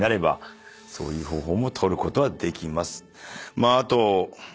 まああと。